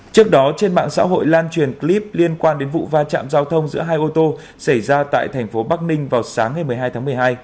trước đó trên mạng xã hội lan truyền clip liên quan đến vụ va chạm giao thông giữa hai ô tô xảy ra tại thành phố bắc ninh vào sáng ngày một mươi hai tháng một mươi hai